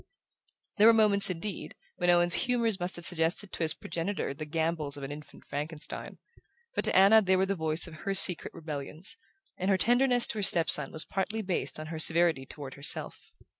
There were moments, indeed, when Owen's humours must have suggested to his progenitor the gambols of an infant Frankenstein; but to Anna they were the voice of her secret rebellions, and her tenderness to her step son was partly based on her severity toward herself.